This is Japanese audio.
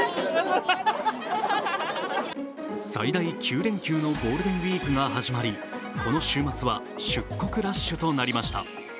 最大９連休のゴールデンウイークが始まり、この週末は出国ラッシュとなりました。